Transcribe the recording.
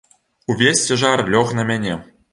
Увесь цяжар лёг на мяне.